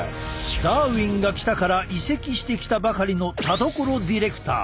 「ダーウィンが来た！」から移籍してきたばかりの田所ディレクター。